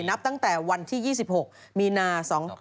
นับตั้งแต่วันที่๒๖มีนา๒๕๖๒